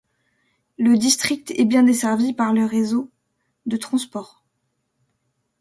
Le district est bien desservi par les réseaux de transports.